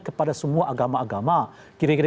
kepada semua agama agama kira kira